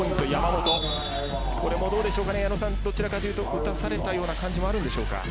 矢野さん、どちらかというと打たされた感じがあるんでしょうか。